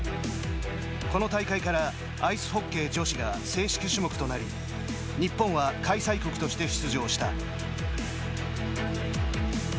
この大会からアイスホッケー女子が正式種目となり日本は開催国として出場した。